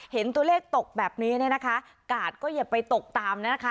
เห็นตัวเลขตกแบบนี้เนี่ยนะคะกาดก็อย่าไปตกตามนะคะ